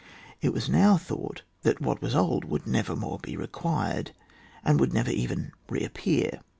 It was now thought that what was old would never more be required, and would never even reappear.